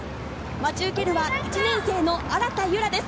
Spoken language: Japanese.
待ち受けるは１年生の荒田悠良です。